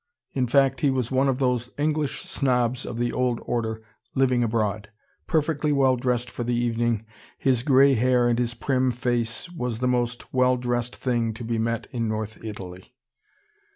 In fact he was one of those English snobs of the old order, living abroad. Perfectly well dressed for the evening, his grey hair and his prim face was the most well dressed thing to be met in North Italy.